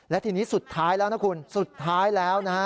และทีนี้สุดท้ายแล้วนะคุณสุดท้ายแล้วนะฮะ